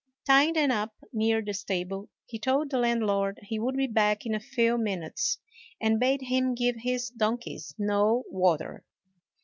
Tying them up near the stable, he told the landlord he would be back in a few minutes, and bade him give his donkeys no water.